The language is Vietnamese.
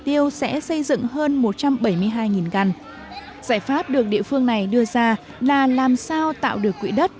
tiêu sẽ xây dựng hơn một trăm bảy mươi hai căn giải pháp được địa phương này đưa ra là làm sao tạo được quỹ đất